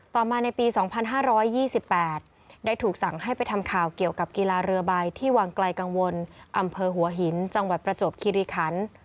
ต่อมาในปี๒๕๒๘ได้ถูกสั่งให้ไปทำข่าวเกี่ยวกับกีฬาเรือใบที่วังไกลกังวลอำเภอหัวหินจังหวัดประจวบคิริคัน